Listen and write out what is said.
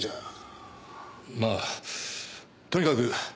まあとにかく斗ヶ